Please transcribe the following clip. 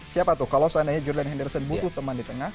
siapa tuh kalau seandainya jurnaan henderson butuh teman di tengah